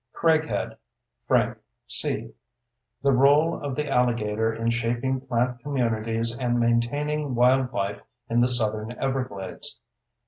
Craighead, Frank C. _The Role of the Alligator in Shaping Plant Communities and Maintaining Wildlife in the Southern Everglades.